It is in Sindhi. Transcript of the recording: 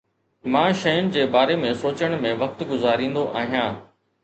مان شين جي باري ۾ سوچڻ ۾ وقت گذاريندو آهيان